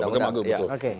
makam agung betul